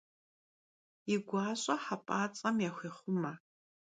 Yi guaş'e hep'ats'em yaxuêxhume.